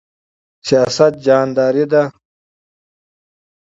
سیاست جهانداری ده